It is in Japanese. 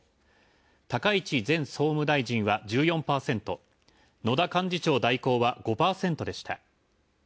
高市前総務大臣は１４％野田幹事長代行は５％でした。